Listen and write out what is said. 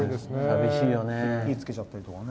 火をつけちゃったりとかね。